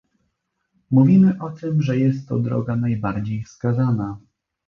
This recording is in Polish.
Mówimy o tym, że jest to droga najbardziej wskazana